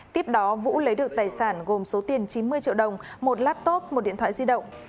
tiếp đó vũ lấy được tài sản gồm số tiền chín mươi triệu đồng một laptop một điện thoại di động